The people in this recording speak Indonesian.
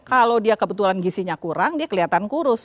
kalau dia kebetulan gisinya kurang dia kelihatan kurus